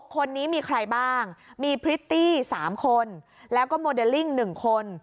๖คนนี้มีใครบ้างมีพริตตี้๓คนแล้วก็โมเดลลิ่ง๑คน